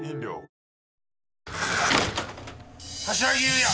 柏木裕也